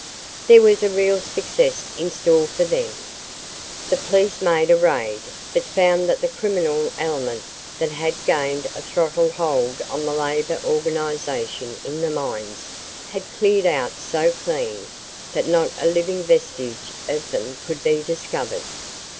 There was a real success in store for them. The police made a raid, but found that the criminal element that had gained a throttle hold on the labor organization in the mines had cleared out so clean that not a living vestige of them could be discovered.